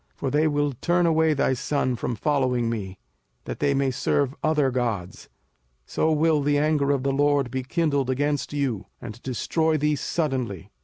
05:007:004 For they will turn away thy son from following me, that they may serve other gods: so will the anger of the LORD be kindled against you, and destroy thee suddenly.